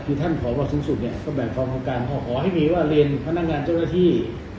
คือท่านผอบสูงสุดเนี่ยก็แบ่งความโครงการว่าขอให้มีว่าเรียนพนักงานเจ้าหน้าที่